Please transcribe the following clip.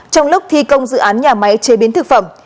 trong lúc thi công dự án nhà máy chế biến thực phẩm